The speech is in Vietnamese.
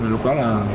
lúc đó là